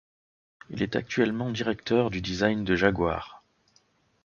Il est actuellement directeur du design de Jaguar.